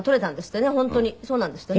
本当にそうなんですってね。